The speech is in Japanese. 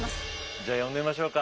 じゃあ呼んでみましょうか。